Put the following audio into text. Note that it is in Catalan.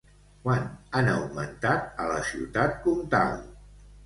Quant han augmentat a la ciutat comtal?